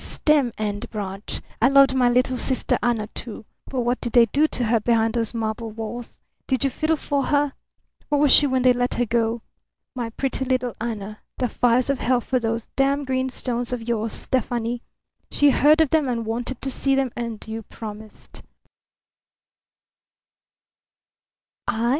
"Stem and branch! I loved my little sister Anna, too. But what did they do to her behind those marble walls? Did you fiddle for her? What was she when they let her go? My pretty little Anna! The fires of hell for those damned green stones of yours, Stefani! She heard of them and wanted to see them, and you promised."